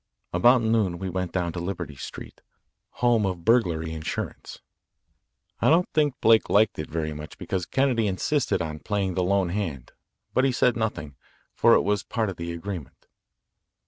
About noon we went down to Liberty Street, home of burglary insurance. I don't think Blake liked it very much because Kennedy insisted on playing the lone hand, but he said nothing, for it was part of the agreement.